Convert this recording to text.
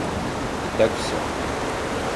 И так всё.